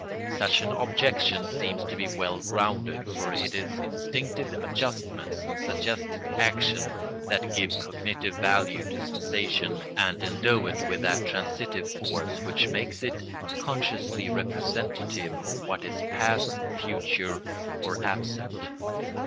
Such an objection seems to be well grounded, for it is instinctive adjustments and suggested action that give cognitive value to sensation and endow it with that transitive force which makes it consciously representative of what is past, future, or absent.